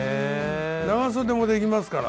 長袖もできますから。